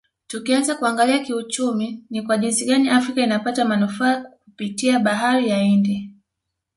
Tukianza kuangalia kiuchumi ni kwa jinsi gani afrika inapata manufaa kipitia bahari ya Hindi